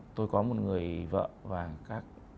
ừ tôi có một người vợ và các